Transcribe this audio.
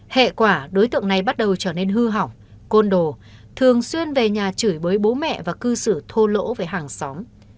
hệ quả đối tượng này bắt đầu trở nên hư hỏng côn đồ thường xuyên về nhà chửi bới bố mẹ và cư xử thô lỗ về hàng xóm